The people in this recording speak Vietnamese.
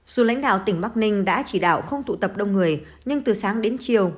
dù lãnh đạo tỉnh bắc ninh đã chỉ đạo không tụ tập đông người nhưng từ sáng đến chiều